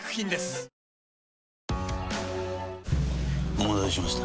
お待たせしました。